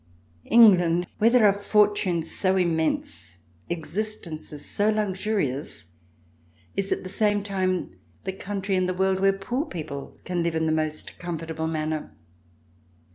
England, where there are fortunes so immense, existences so luxurious, is at the same time the country in the world where poor people can live in the most comfortable manner.